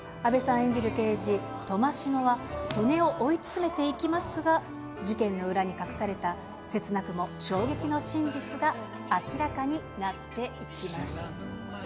演じる刑事、とましのはとねを追い詰めていきますが、事件の裏に隠された切なくも衝撃の真実が明らかになっていきます。